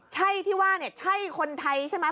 ใช่ที่ว่าใช่คนไทยใช่ไหม